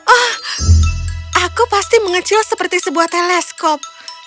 oh aku pasti mengecil seperti sebuah teleskop